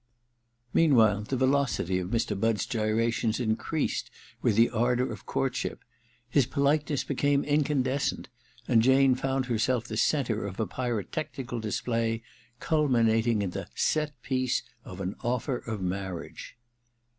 Meanwhile the velocity of Mr. Budd*s gyra tions increased with the ardour of courtship : his politeness became incandescent, and Jane found herself the centre of a pyrotechnical display culminating in the 'set piece' of an offer of marriage.